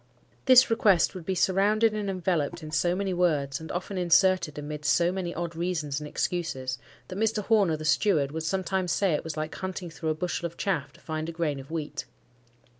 This request would be surrounded and enveloped in so many words, and often inserted amidst so many odd reasons and excuses, that Mr. Horner (the steward) would sometimes say it was like hunting through a bushel of chaff to find a grain of wheat.